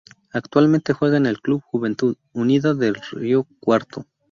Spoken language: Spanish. Actualmente juega en el Club Juventud Unida de Río Cuarto.